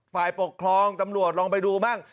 ฝ่ายปกครองตำรวจลองไปดูบ้าง